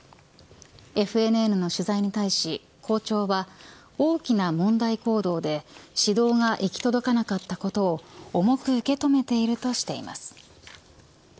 ＦＮＮの取材に対し校長は大きな問題行動で指導が行き届かなかったことを重く受け止めているとしています。